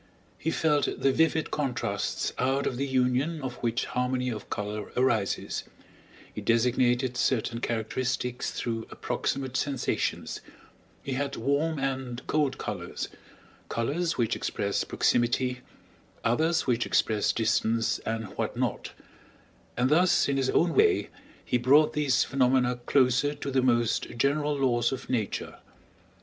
He felt the vivid contrasts out of the union of which harmony of color arises, he designated certain characteristics through approximate sensations, he had warm and cold colors, colors which express proximity, others which express distance, and what not; and thus in his own way he brought these phenomena closer to the most general laws of Nature.